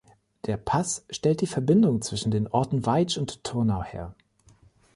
Der Pass stellt die Verbindung zwischen den Orten Veitsch und Turnau her.